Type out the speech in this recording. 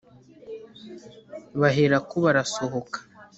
baherako barasohoka